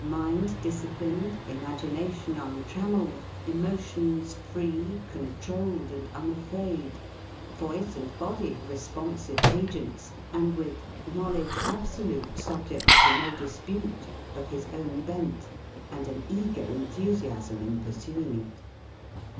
mind disciplined, imagination untrammelled, emotions free, controlled, and unafraid, voice and body responsive agents, and with "knowledge absolute, subject to no dispute," of his own bent and an eager enthusiasm in pursuing it.